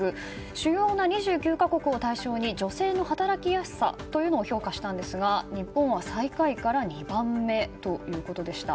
主要な２９か国を対象に女性の働きやすさというのを評価したんですが日本は最下位から２番目ということでした。